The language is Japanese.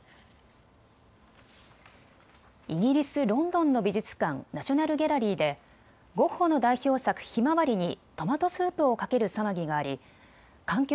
イギリス・ロンドンの美術館、ナショナル・ギャラリーでゴッホの代表作、ひまわりにトマトスープをかける騒ぎがあり環境